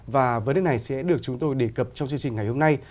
và vấn đề này sẽ được chúng tôi đề cập trong chương trình ngày hôm nay